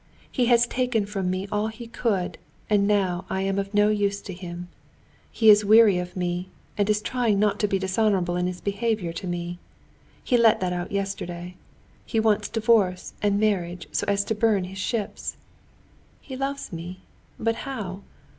He has taken from me all he could, and now I am no use to him. He is weary of me and is trying not to be dishonorable in his behavior to me. He let that out yesterday—he wants divorce and marriage so as to burn his ships. He loves me, but how?